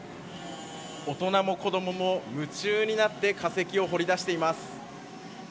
大人も子供も夢中になって化石を掘り出しています。